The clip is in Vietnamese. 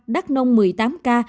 đắk nông một mươi tám ca